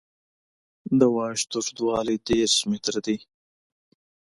د واش اوږدوالی دېرش متره دی